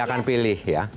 dia akan pilih ya